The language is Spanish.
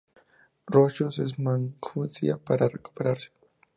Rochus, en Maguncia, para recuperarse.